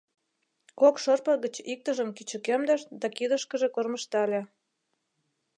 Кок шырпе гыч иктыжым кӱчыкемдыш да кидышкыже кормыжтале.